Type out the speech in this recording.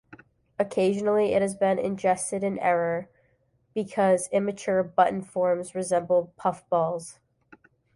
Occasionally it has been ingested in error, because immature button forms resemble puffballs.